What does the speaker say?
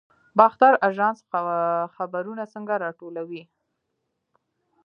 باختر اژانس خبرونه څنګه راټولوي؟